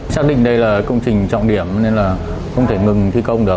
xác định đây là công trình trọng điểm nên là không thể ngừng thi công được